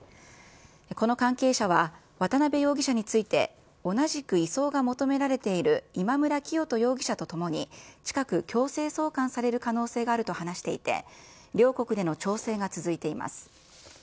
この関係者は渡辺容疑者について、同じく移送が求められている今村磨人容疑者と共に、近く強制送還される可能性があると話していて、両国での調整が続いています。